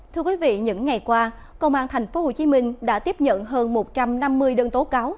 thưa quý vị những ngày qua công an tp hcm đã tiếp nhận hơn một trăm năm mươi đơn tố cáo